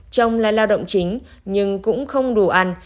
chồng là lao động chính nhưng cũng không đủ ăn